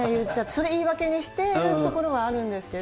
それ、言い訳にしてるところはあるんですけど。